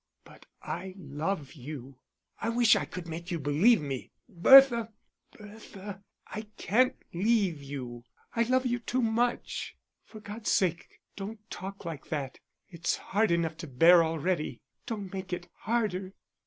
"But I love you. Oh, I wish I could make you believe me. Bertha, Bertha, I can't leave you. I love you too much." "For God's sake don't talk like that. It's hard enough to bear already don't make it harder."